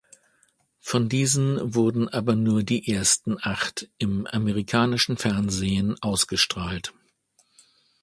Von diesen wurden aber nur die ersten acht im amerikanischen Fernsehen ausgestrahlt.